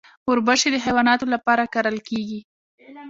وربشې د حیواناتو لپاره کرل کیږي.